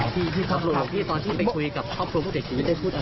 พี่บอกว่าจะสึกที่เพราะอะไรมีกระแสอะไรครับถูกได้สึกครับ